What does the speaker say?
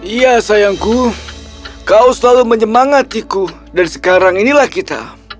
iya sayangku kau selalu menyemangatiku dan sekarang inilah kita